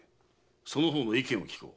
その方の意見を聞こう。